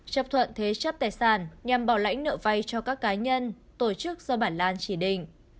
chấp thuận thế chấp tài sản nhằm bảo lãnh nợ vay cho các cá nhân tổ chức do bà lan chỉ định